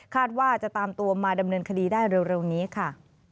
ว่าจะตามตัวมาดำเนินคดีได้เร็วนี้ค่ะ